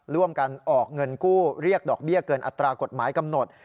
ร่วมกันออกเงินกู้เรียกดอกเบี้ยเกินอัตรากฎหมายกำหนด